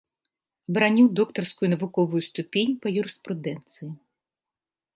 Абараніў доктарскую навуковую ступень па юрыспрудэнцыі.